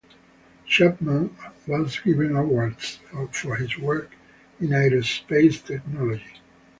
Chapman was given awards for his work in aero-space technology.